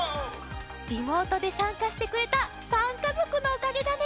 リモートでさんかしてくれた３かぞくのおかげだね。